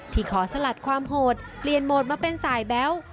ขอสลัดความโหดเปลี่ยนโหมดมาเป็นสายแบ๊ว